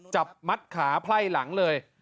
จับมัดขาไพ่หลังเลย